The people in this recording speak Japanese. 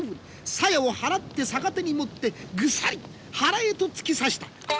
鞘を払って逆手に持ってぐさり腹へと突き刺した。